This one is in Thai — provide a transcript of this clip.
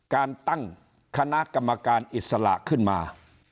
การตั้งคณะกรรมการอิสระขึ้นมา